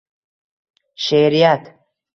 She’riyat.